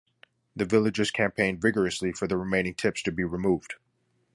The villagers campaigned vigorously for the remaining tips to be removed.